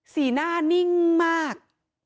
สีหน้านิ่งมาก